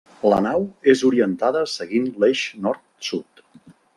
La nau és orientada seguint l'eix nord-sud.